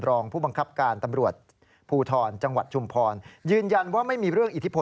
รองผู้บังคับการตำรวจพูทร